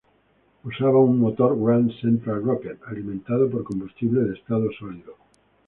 Usaba un motor "Grand Central Rocket" alimentado por combustible de estado sólido.